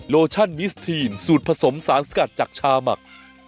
โลชั่นมิสทีนสูตรผสมสารสกัดจากชาหมัก